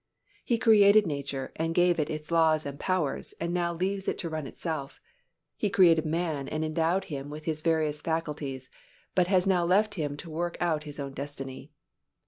He created nature and gave it its laws and powers and now leaves it to run itself. He created man and endowed him with his various faculties but has now left him to work out his own destiny.